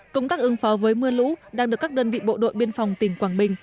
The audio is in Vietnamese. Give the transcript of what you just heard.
công tác ứng phó với mưa lũ đang được các đơn vị bộ đội biên phòng tỉnh quảng bình